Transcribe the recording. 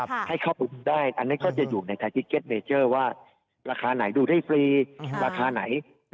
ไม่ได้ครับไม่มีไม่มีเด็ดขาดเลยครับโอเคค่ะโอเค